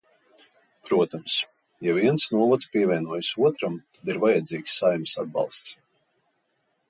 Protams, ja viens novads pievienojas otram, tad ir vajadzīgs Saeimas atbalsts.